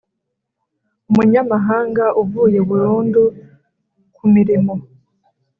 umunyamahanga uvuye burundu kumirimo